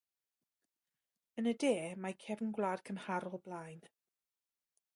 Yn y de mae cefn gwlad cymharol blaen.